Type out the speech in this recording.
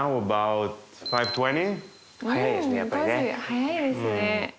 早いですね。